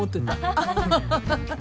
アハハハハ。